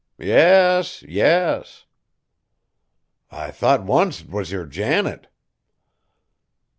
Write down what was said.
"Yes! yes!" "I thought once 't was your Janet."